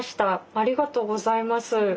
ありがとうございます何か。